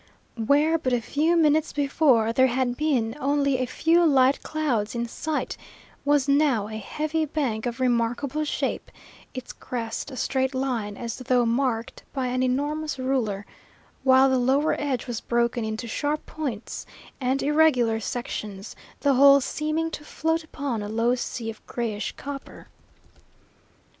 Where but a few minutes before there had been only a few light clouds in sight, was now a heavy bank of remarkable shape, its crest a straight line as though marked by an enormous ruler, while the lower edge was broken into sharp points and irregular sections, the whole seeming to float upon a low sea of grayish copper.